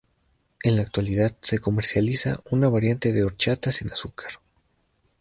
En la actualidad se comercializa una variante de horchata sin azúcar.